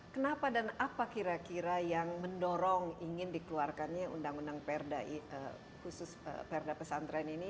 kenapa dan apa kira kira yang mendorong ingin dikeluarkannya undang undang perda khusus perda pesantren ini